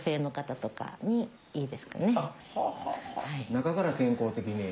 中から健康的に。